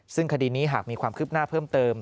ซึ่งคดีนี้หากมีความคืบหน้าเพิ่มเติม